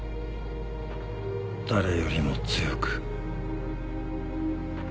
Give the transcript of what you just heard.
誰よりも強く。